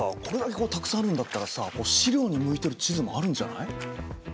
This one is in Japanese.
これだけこうたくさんあるんだったらさ資料に向いてる地図もあるんじゃない？